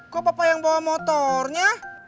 kok papa yang bawa motornya